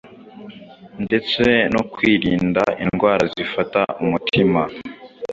ndetse no kurinda indwara zifata umutima